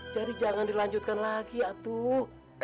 jadi jangan dilanjutkan lagi ya tuh